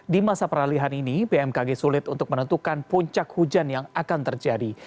di masa peralihan ini bmkg sulit untuk menentukan puncak hujan yang akan terjadi